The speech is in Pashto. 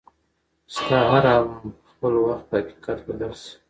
ستا هر ارمان به په خپل وخت په حقیقت بدل شي.